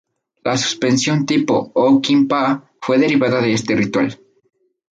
La suspensión tipo Oh-Kee-Pa fue derivada de este ritual.